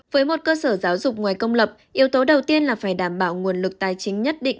với một cơ sở giáo dục ngoài công lập yếu tố đầu tiên là phải đảm bảo nguồn lực tài chính nhất định